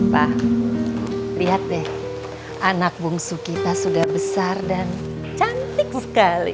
pak lihat deh anak bungsu kita sudah besar dan cantik sekali